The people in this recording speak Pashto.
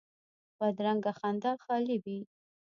بدرنګه خندا خالي وي